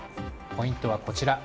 ポイントはこちら。